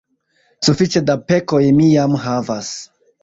sufiĉe da pekoj mi jam havas.